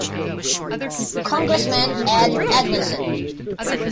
Congressman Ed Edmondson.